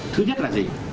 thứ nhất là gì